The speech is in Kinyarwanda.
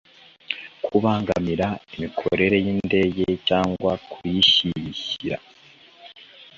kubangamira imikorere y indege cyangwa kuyishyira